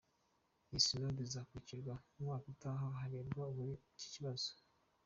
Iyi Synode izasubukurwa umwaka utaha harebwa kuri ibi bibazo.